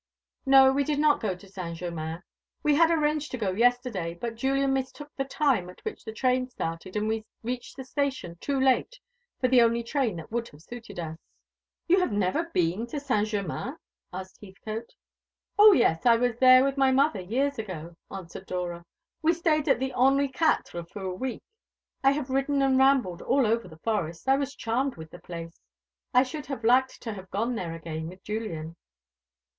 "No; we did not go to Saint Germain. We had arranged to go yesterday, but Julian mistook the time at which the train started, and we reached the station too late for the only train that would have suited us." "You have never been to Saint Germain?" asked Heathcote. "O yes; I was there with my mother years ago," answered Dora. "We stayed at the Henri Quatre for a week. I have ridden and rambled all over the forest. I was charmed with the place. I should like to have gone there again with Julian."